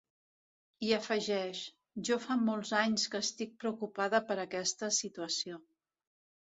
I afegeix: Jo fa molts anys que estic preocupada per aquesta situació.